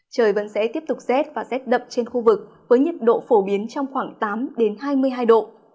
trời vẫn sẽ tiếp tục rét và rét đậm trên khu vực với nhiệt độ phổ biến trong khoảng tám hai mươi hai độ